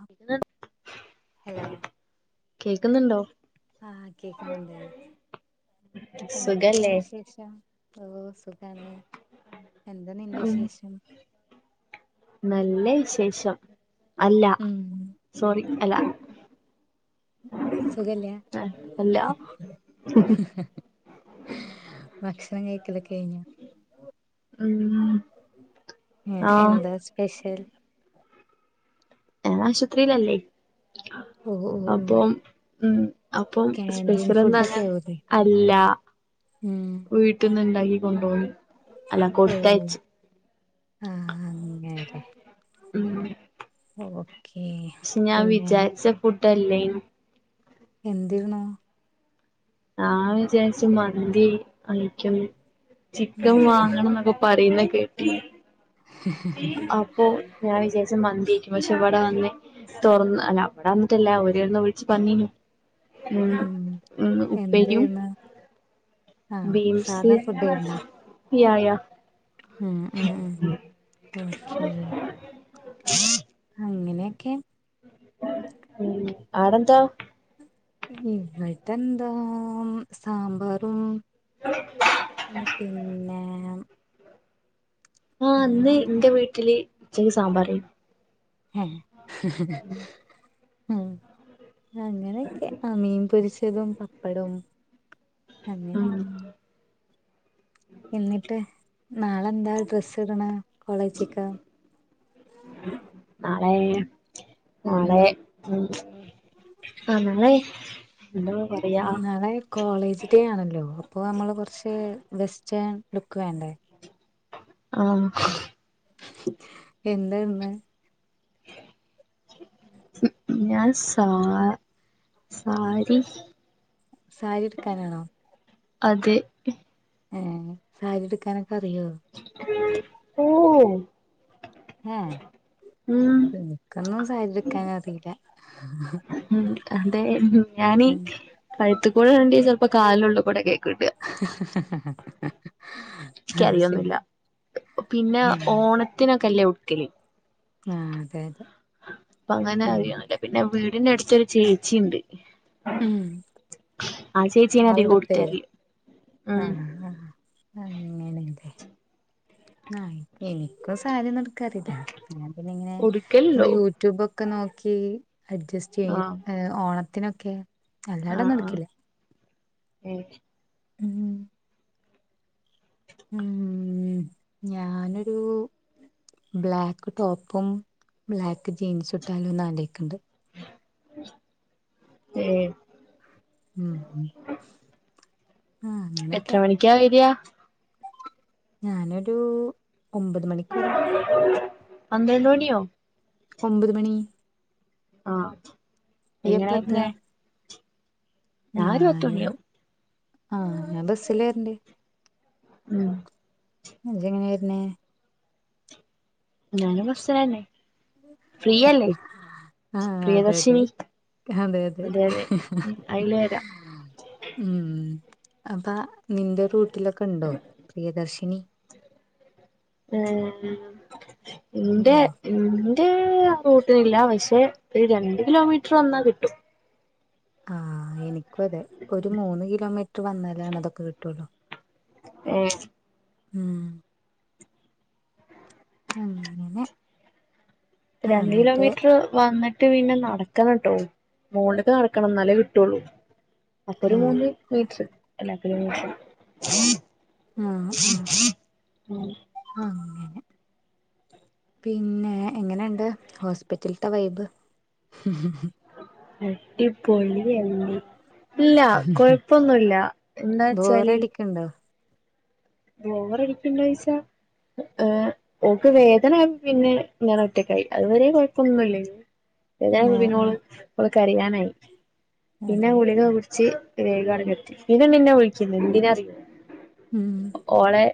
[unintelligible] Hello കേക്ക്ന്ന്ണ്ടോ? ആഹ് കേക്ക്ന്ന്ണ്ട് എന്തൊക്കെയാണ് സുഖല്ലേ വിശേഷം? ഓഹ് സുഖാണ്. എന്താ നിന്റെ ഉം വിശേഷം? നല്ല വിശേഷം. അല്ല ഉം സോറി അല്ല. സുഖല്ല്യ അല്ല ഭക്ഷണം കഴിക്കലൊക്കെ കഴിഞ്ഞോ? ഉം ഉം ആഹ് എന്താ സ്പെഷ്യൽ? ഞാനാശുവത്രീലല്ലേ? ഓ ഓ ഓ അപ്പോം. ഉം അപ്പോം കാന്റീൻ സ്പെഷലൊന്നങ്ങ ഫുഡൊക്കെ ആവൂലേ അല്ല. ഉം വീ ട്ട്ന്ന്ണ്ടാക്കി കൊണ്ടോന്ന് ഓഹ് ആഹ് അങ്ങരെ ഓഹ് ക്ഷേ ഞാൻ വിചാര്ച്ച ഫുഡല്ലേനു എന്തേര്ന്നു? ഞാൻ വിചാരിച്ച് മന്തി ആയിരിക്കും. ചിക്കൻ വാങ്ങണംന്നോക്കെ പറയിണെ കേട്ടിനി അപ്പോ ഞാൻ വിചരിച്ചു മന്തിയായിക്കും. പക്ഷേ ഇവടെ വന്ന് തൊറന്ന് അല്ല അവടെ വന്നിട്ടല്ല. ഓരന്ന് വിളിച്ച് പറഞ്ഞിനു. ഉം ഉം ഉപ്പേരിയും എന്തേര്ന്ന് ആഹ് ബീൻസ് സാധാ ഫുഡേര്ന്നാ യാ യാ ഉം ഉം ഓക്കെ അങ്ങനെയൊക്കെ ഉം, ആടെന്താ ഉം ഇവിട്ടെ ന്താ സാമ്പാറും [unintelligible] പിന്നെ ആഹ്, ഇന്ന് പിന്നെന്തേനു എന്റെ വീട്ടില് ഉച്ചക്ക് സാമ്പാർ ആയിരുന്നു. ആഹ്, ഉം അങ്ങനൊക്കെ, ആഹ്, മീൻ പൊരിച്ചതും പപ്പടവും, ഉം അങ്ങനെയൊക്കെ എന്നിട്ട് നാളെന്താ ഡ്രസ്സ് ഇടണെ കോളേജ് ക് നാളെ നാളെ ഉം ആഹ് നാളെ. എന്ത [unintelligible] പറ നാളെ കോളേജ് ഡേ ആണല്ലോ? അപ്പൊ നമ്മള് കുറച്ച് വെസ്റ്റേൺ ലുക്ക് വേണ്ടേ? ആഹ് എന്തന്ന് [inaudible] ഞാൻ സാ സാരി സാരി ഉടുക്കാനാണോ? അതെ ഏ സാരി ഉടുക്കാനൊക്കെ അറിയോ? ഓ ഉം ഉം എനിക്കൊന്നും സാരി ഉടുക്കാനറിയില്ല. ദേ, ഞാനീ കഴുത്ത കൂടെ ഇടേണ്ട ചെലപോ കാലിനുള്ളികൂടെ ഏരീക്കും ഇട. [inaudible] എനിക്ക റിയൊന്നില്ല. ശരി പിന്നെ ഉം ഓണത്തിനൊക്കെ അല്ലേ ഉടുക്കല് ആ അതെ അതെ അപ്പ അങ്ങനെ ഉം അറിയണല്ലേ? പിന്നെ, വീടിന്റെ അടുത്തൊരു ചേച്ചി ഉണ്ട്. ഉം ആഹ്, ചേച്ചി ആണ് അധികം ഉടുത്തു ആളെടുത്തരോ തരല്. ഉം അങ്ങനെയ ല്ലേ ആഹ് എനിക്കും സാരിയോ ന്നും ഉടുക്കാനറില്ല. ഞാൻ പിന്നെ ഇങ്ങനെ നമ്മ ഉടുക്കലുണ്ടോ യു യൂട്യൂബൊക്കെ നോക്കി അഡ്ജസ്റ്റ് ചെയ്യും. ആഹ് ഈ ഓണത്തിനൊക്കെ. അല്ലാണ്ട ഒന്നും ഉടുക്കില ഉം ഉം ഉം ഞാനൊരു ബ്ലാക്ക് ടോപ്പും ബ്ലാക്ക് ജീൻസും ഇട്ടാലോന്ന്, ആലോചിക്കുന്നുണ്ട്. ഏഹ്. ഉം, ഉം എത്ര മണിക്കാ വരിയാ. ഞാനൊരു ഒമ്പത് മണിക്ക് വരാം. പന്ത്രണ്ട് മണിയോ? ഒൻപത് മണി. ആഹ്. നീ എങ്ങനാ എപ്പൊഴ എത്തുക? വരുന്നേ ഞാൻ ഒരു പത്ത് ഞാന് മണിയാവും ആഹ് ഞാൻ ബസിലെര്ണ്ട്. ഉം. ഇജ്ജെങ്ങനെ വെര്ന്നേ? ഞാനും ബസ്സിലെന്നെ. ആഹ് അതെതെ. പ്രിയദർശിനി അതേതെ. അതെ അതെ ഉം അയില് വരാം ഉം അപ്പ നിന്റെ റൂട്ടിലൊക്കെണ്ടോ പ്രിയദർശിനി? ഏഹ് ഇന്റെ. ഉണ്ടോ ന്റെ ആ റൂട്ടിനില്ല പക്ഷെ ഒരു രണ്ട് കിലോമീറ്റർ വന്നാ കിട്ടും. ആഹ് എനിക്ക് നിക്കു അതെ ഒരു മൂന്ന് കിലോമീറ്റർ വന്നാലാണതൊക്കെ കിട്ടുള്ളൂ. ഏ ഉം. ഉം ങ്ങനെ. രണ്ട് കിലോമീറ്റർ വന്നി്ട്ട് ട്ട് പിന്നെ നടക്കണംട്ടോ മോള്ലേക്ക് നടക്കണം എന്നാലേ കിട്ടുള്ളൂ. അപ്പൊ ഒരു ഏഹ് മൂന്ന് മീറ്റ്റ് എല്ലാത്തിനും കൂടി ആഹ് ആ ഹ് അങ്ങനെ. പിന്നെ എങ്ങനെയണ്ട് ഹോസ്പിറ്റല്ത്തെ വൈബ്? അടിപൊളിയെന്നെ. ഇല്ല കൊഴപ്പൊന്നുല്ല എന്താ വച്ചാല്. ഇണ്ടോ? ബോറടിക്കിണ്ടോയ്ച്ച ഏഹ് ഓക്ക് വേദന പിന്നെ ഞാനൊറ്റക്കായി അത് വരെ കൊഴപ്പൊന്നുംല്ലായ്നു ഏതായാലും ആഹ് പിന്നോള്. ആഹ് ഓള് കരയാനായി പിന്നെ അതെ ഗുളിക കുട് റ്റ് വേഗോ ആട്ക്കെത്തി പിന്നെ നിന്നെ വിളിക്ക്ന്ന്‌ എന്തിനാണന്നറിയുമോ ഉം. ഓളെ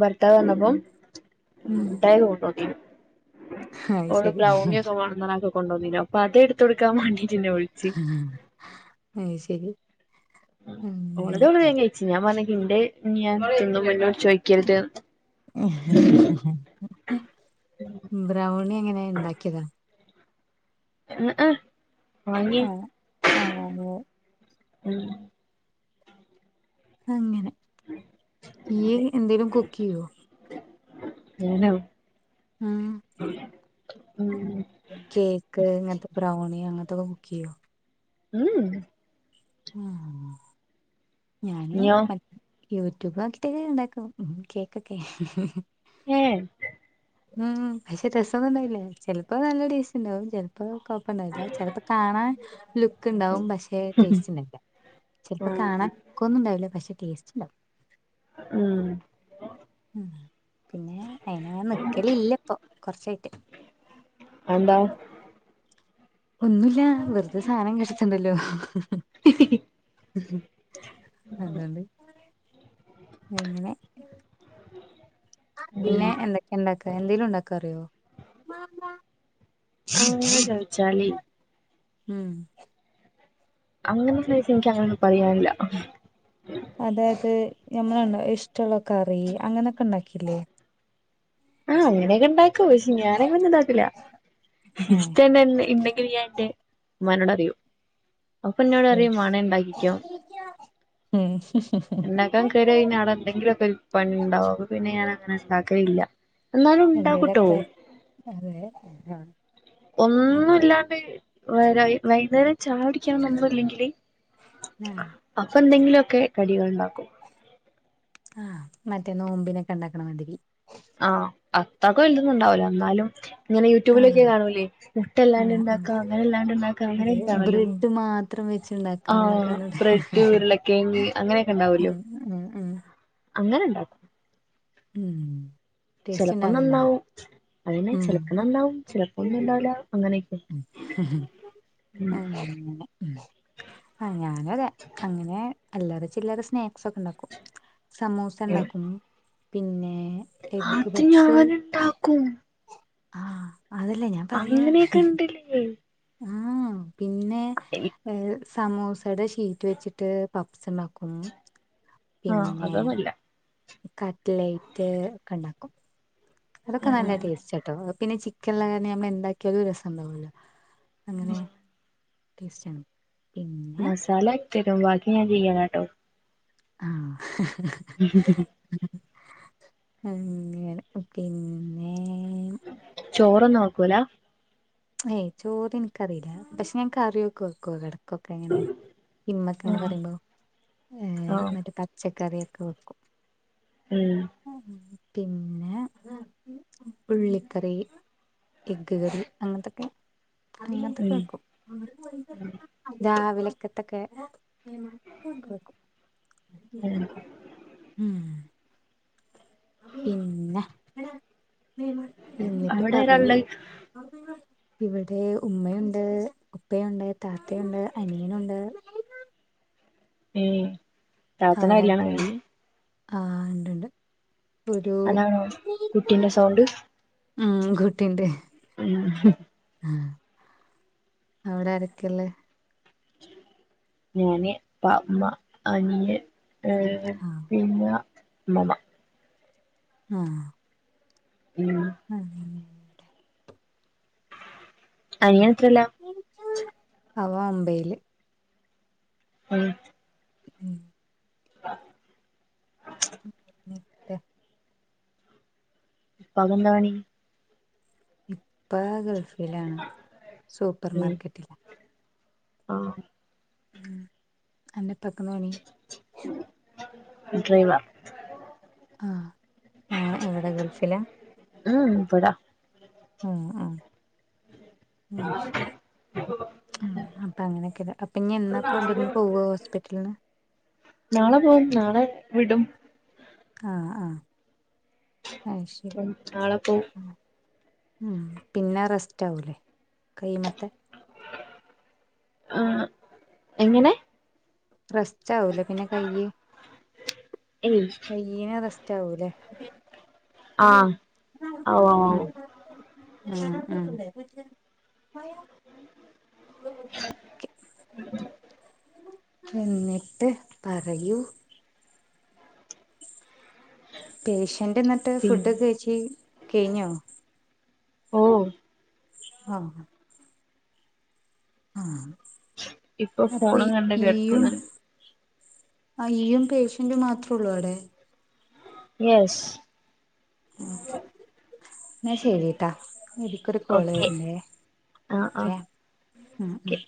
ഭർത്താവ് വന്നപ്പം. ഉം. ക്ക അത് ഒ ശരി പ്രൗണ സ [unintelligible] ബാഗൊക്കെ കൊണ്ടുവന്നില്ലേ അപ്പതെടുത്തൊടുക്കൻ വണ്ടീറ്റെന്നെ വിള്ച്ച്. അഹ് അയ്ശെരി. ഓളെല്ലു കയിച്ചിന് ഞാൻ പറഞ്ഞണ്ട് ഇനി ഞാ തിന്നുമ്പോ ന്നോട് ചോയിക്കരുത് ന്ന്. ബ്രൗണി എങ്ങനെ ഇ ണ്ടാക്കിയതാ? ഉം ഉം. [unintelligible] ആഹ് ആ അതെ. ഉം. അങ്ങനെ അതെ ഈയ്യ്‌ എന്തേലും കുക്കെയ്യോ? ഞാനോ? ആഹ് ഉം. കേക്ക് ഇങ്ങന് ത്തെ ബ്രൗണി അങ്ങത്തൊക്കെ കുക്കെയ്യോ? ഉം. ആഹ് ഞാന് ഞോ മറ്റ യൂട്യൂബ് നോക്കിറ്റെക്കെ ഞാണ്ടാക്കും കേക്കൊക്കെ. ഏഹ് ഉം പക്ഷെ രസംന്നുംണ്ടായില്ല ചെല്പ്പോ നല്ല ടേസ്റ്റ്ണ്ടാവും ചെല്പ്പൊ കൊ വില്ലേ ചെലപ്പോ കാണാൻ ലുക്ക്ണ്ടാവും പക്ഷെ ടേസ്റ്റ്ണ്ടാവില്ലാ. ചെലപ്പോ ഉം കാണാൻ ലുക്കൊന്നും ഉണ്ടാവില്ലാ പക്ഷേ ടേസ്റ്റ് ഉണ്ടാവും ഉം ഉം പിന്നെ അയിനങ്ങനെ നിക്കലില്ലാ ഇപ്പം കൊറച്ചായിട്ട് എന്താ ഒന്നൂല്ലാ വെറുതെ സാധനം കേട് വെര്ത്തണ്ടല്ലോ അതോണ്ട് അങ്ങനെ ഉം പിന്നെ എന്തൊക് ക്കെയാണ്ടാക്കാ എന്തേലും ഇണ്ടാക്കാനറിയോ അങ്ങനെ ചോയിച്ചാല് ഉം അങ്ങനെ ചോയിച്ചാ ഇൻക്ക് അങ്ങനെ ഒന്നും പറയാനില്ലാ അതായത് ഞമ്മള് കണ്ടോ ഇഷ്ട്ടള്ള കറി അങ്ങനൊക്കെ ഇണ്ടാക്കില്ലേ ആഹ് അങ്ങനെയൊക്കെ ഇണ്ടാക്കി ക്കും പക്ഷെ ഞാനങ്ങനൊന്നും ഇണ്ടാക്കൂല്ലാ ഏഹ് [unintelligible] ഇണ്ടെങ്കിലും ഞാൻ ഇന്നിട്ട് മ്മാനോട് പറയും അപ്പൊ ഇന്നോട് പറിയും യെസ് മാണേ ഇണ്ടാക്കിക്കോ ഉം ഇണ്ടാക്കാൻ കേറിയാ പിന്നെ അവിടെ എന്തെങ്കിലൊക്കെ ഒര് പണി ഇണ്ടാവും ആപ്പ പിന്നെ ഞാൻ അങ്ങനെ ഇണ്ടാക്കലില്ലാ എന്തേലൊക്കെ അതെ ഞാ ഒന്നുല്ലാണ്ട് വ വൈന്നേരെക് ചായകുടിക്കാൻ വന്നാ ഒന്നുല്ലെങ്കില് ആഹ് അപ്പൊ എന്തെങ്കിലൊക്കെ കടികള് ഇണ്ടാക്കും ആഹ് മറ്റേ നോമ്പിനൊക്കെ ഇണ്ടാക്കണ മാതിരി ആഹ് അത്രക്ക് വെൽതൊന്നും ഇണ്ടാവൂലാ എന്നാലും ഇങ്ങനെ ആഹ് യൂട്യൂബിലൊക്കെ കാണൂല്ലേ മുട്ടല്ലാണ്ട് ആഹ് ആഹ് ഇണ്ടാക്കാ അങ്ങനെ ഇല്ലാണ്ട് ഇണ്ടാക്കാ അതെ അങ്ങനെയൊക്കെ കാണല്ലോ ബ്രെഡ് മാത്രം വെച്ചുണ്ടാക്കാന്നൊക്കെ ആഹ് പറഞ്ഞിട്ട് ബ്രെഡ് ഉരുളക്കെയങ്ങ് അങ്ങനെയൊക്കെ ഇണ്ടാവല്ലോ ഉം ഉം ഉം അങ്ങനെണ്ടാക്കും ഉം ടേസ്റ്റ് ചെലപ്പം ഉണ്ടാവലുണ്ടാ നന്നാവും അതന്നെ ഉം ചെലപ്പോ നന്നാവും ചെലപ്പോ ഒന്നും ഉണ്ടാവൂല്ലാ അങ്ങനെയെക് അങ്ങനെ ഉം ആഹ് ഞാനു അതെ അങ്ങനെ അല്ലറ ചില്ലറ സ്നാക്സ് ഒക്കെ ഇണ്ടാക്കും സമൂസ ഏഹ് ഇണ്ടാക്കും പിന്നെ എഗ്ഗ് അത് പബ്സ് ഞാന്ണ്ടാക്കും ആഹ് അതല്ലേ ഞാൻ പറയാ ഉം ആഹ് പിന്നെ എ ഏഹ് സമൂസേടെ ഷീറ്റ് വെച്ചിട്ട് പപ്പ്സ് ഇണ്ടാക്കും ക്കും ആഹ് പിന്നെ അതൊന്നുല്ല കട്ലൈറ്റ് ഒക്കെ ഇണ്ടാക്കും അതൊക്കെ നല്ല ടേസ്റ്റാട്ടോ എപ് പിന്നെ ചിക്ക [unintelligible] കാര നമ്മള് എന്താക്കിയാലും രസംണ്ടാവല്ലോ അങ്ങനെ ടേസ്റ്റാണ് മസാല ഇക്ക ഇടും ബാക്കി ഞാൻ ചെയ്യണട്ടോ ആഹ് ഉ ഉം അങ്ങനെ പിന്നേ ചോറൊന്നും വെക്കൂലാ ഏയ് ചോറിനിക്കറിയൂല്ലാ പക്ഷെ ഞാൻ കറിയൊക്കെ വെക്കു എടക് ക്കെ എങ്ങനെ ഇമ്മക്ക ഇങ്ങനെ ആഹ് പറയുമ്പോ ഏ ആഹ് മറ്റേ പച്ചക്കറൊക്കെ വെക്കും ഉം പിന്നെ ഉള്ളിക്കറി എഗ്ഗ് കറി അങ്ങനത്തൊക്കെ അങ്ങനത്തൊക്കെ ഉം വെക്കും രാവിലക്കത്തൊക്കെ വെക്കും ഉം ഉം പിന്നെ എന്നിട്ട് അവിടെ പറയൂ ഒരാളുടെ ഇവിടെ ഇമ്മയുണ്ട് ഇപ്പയുണ്ട് താത്തയുണ്ട് അനിയനുണ്ട് ഉം അവിടെൊക്കെ ആഹ് ഉണ്ട്ണ്ട് ഒരു അതാണോ കുട്ടീന്റെ സൗണ്ട് ഉം കുട്ടിണ്ട് ഉം ആഹ് അവിടെ ആരക്കെള്ളെ ഞാന് ഇപ്പ ഇമ്മ അനിയൻഏ ആ പിന്നെ ഇമ്മമ്മ ആഹ് ഉം ഉം അനിയൻ എത്രേലാ മം അവൻ ഒമ്പയില് ഉം ഉം ആഹ് ഉം ഇട്ടെ ഇപ്പാ കന്താ പണി ഇപ്പ ഗൾഫിലാണ് സൂപ്പർ മാർക്കറ്റില് ആഹ് ഉ അൻ്റെ പ്പാ ക്കാന്താ പണി ഡ്രൈവർ ആഹ് ആഹ് എവിടെ ഗൾഫിലാ ഉ ബടാ ആഹ് ആഹ് ഉം ശരി ആഹ് അപ്പം അങ്ങനെയൊക്കെയ അപ്പം ഇനി എന്നാപ്പോ ഇവിടുന്ന് പോവുവോ ഹോസ്പിറ്റലിന്ന് നാളെ പോകും നാളെ വിടും ആഹ് ആഹ് അയ് ശരി ഉം നാളെ പോവും ഉം പിന്നെ റെസ്റ്റ് ആവല്ലേ കൈ മെത്തെ ആഹ് എങ്ങനെ റസ്റ്റ് ആാവൂലേ പിന്നെ കയ്യ് ഏയ് തീനെ അറസ്റ്റ ആവുല്ലേ ആ ഉം ഓ ഓ ഉം ഉം എന്നിട്ട് പറയൂ പേഷ്യന്റ് എന്നിട്ട് പി ഫുഡ്ക്കെ കഴച്ചി കഴിഞ്ഞോ ഓ ആഹ് ആഹ് ഇപ്പൊ അപ്പൊ ഫോണും കണ്ട് ഇയ്യും കെടക്കുന്നുണ്ട് ആ ഇയ്യും പേഷ്യന്റും മാത്രൊള്ളോ അടെ യെസ് ഓക്കെ ന്നാ ശെരി ട്ടൊ ഇത്ക്കൊരു കോള് ഓക്കെ വെര്ണ്ട് ആ ആ ഓക്കെ ഉം ഉം ഓക്കെ